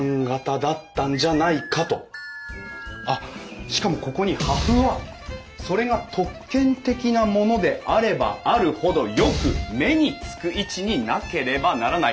あっしかもここに「破風はそれが特権的なものであればあるほどよく目につく位置になければならない。